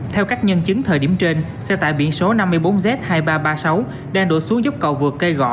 theo các nhân chứng thời điểm trên xe tải biển số năm mươi bốn z hai nghìn ba trăm ba mươi sáu đang đổ xuống giúp cầu vượt cây gõ